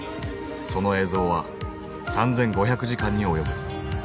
その映像は３，５００時間に及ぶ。